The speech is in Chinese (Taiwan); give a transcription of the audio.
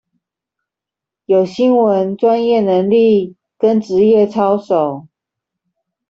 有新聞專業能力跟職業操守